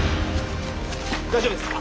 大丈夫ですか？